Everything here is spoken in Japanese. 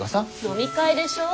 飲み会でしょ？